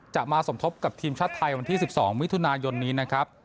จะมาสมทบกับทีมชาติไทยวันที่๑๒มิถุนายนนี้นะครับ